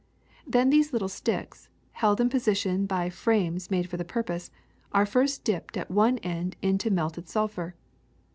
Then these little sticks, held in position by frames made for the purpose, are first dipped at one end into melted sulphur.